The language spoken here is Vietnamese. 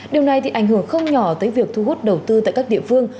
điều này thì ảnh hưởng không nhỏ tới việc thu hút đầu tư tại các địa phương